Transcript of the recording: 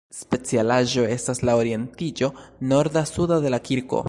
Specialaĵo estas la orientiĝo norda-suda de la kirko.